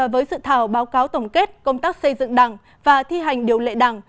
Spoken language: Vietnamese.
với dự thảo báo cáo tổng kết công tác xây dựng đảng và thi hành điều lệ đảng